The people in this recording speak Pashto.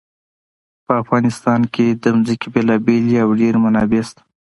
په افغانستان کې د ځمکه بېلابېلې او ډېرې منابع شته.